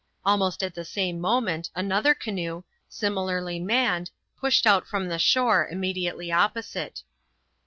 Almost at the same moment another canoe, similarly manned, pushed out from the shore immediately opposite.